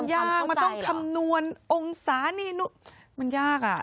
ยากมันต้องคำนวณองศานี่มันยากอ่ะ